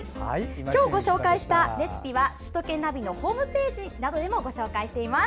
今日ご紹介したレシピは首都圏ナビのホームページでも紹介しています。